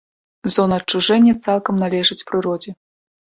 Зона адчужэння цалкам належыць прыродзе.